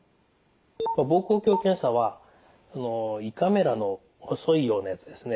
膀胱鏡検査は胃カメラの細いようなやつですね。